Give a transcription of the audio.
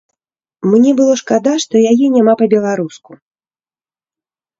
Мне было шкада, што яе няма па-беларуску.